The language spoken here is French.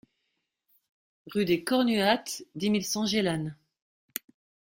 Rue des Cornuattes, dix mille cent Gélannes